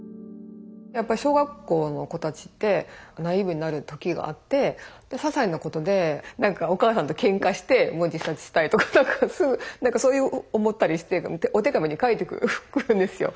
やっぱり小学校の子たちってナイーブになる時があってささいなことで何かお母さんとけんかしてもう自殺したいとかそう思ったりしてお手紙に書いてくるんですよ。